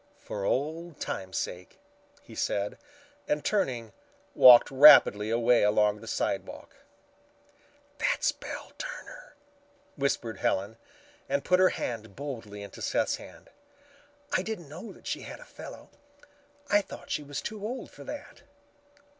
"For old times' sake," he said and, turning, walked rapidly away along the sidewalk. "That's Belle Turner," whispered Helen, and put her hand boldly into Seth's hand. "I didn't know she had a fellow. I thought she was too old for that."